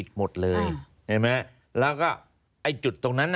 สื้อป่าตืบอ่ะ